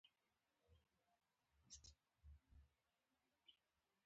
ژورې سرچینې د افغان ځوانانو لپاره ډېره لویه کلتوري دلچسپي لري.